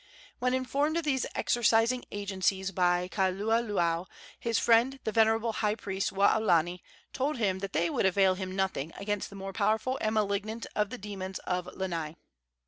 When informed of these exorcising agencies by Kaululaau, his friend, the venerable high priest, Waolani, told him that they would avail him nothing against the more powerful and malignant of the demons of Lanai.